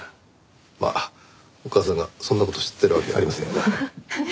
まあお母さんがそんな事知ってるわけありませんよね。